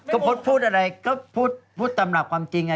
ก็พดพูดอะไรก็พูดตำรับความจริง